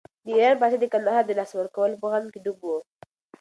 د ایران پاچا د کندهار د لاسه ورکولو په غم کې ډوب و.